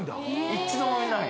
一度もない。